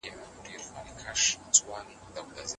څېړونکو بېلابېلي پايلي موندلي دي.